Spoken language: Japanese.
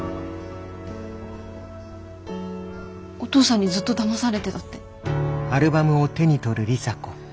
お父さんにずっとだまされてたって。